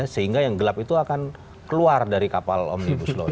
sehingga yang gelap itu akan keluar dari kapal omnibus law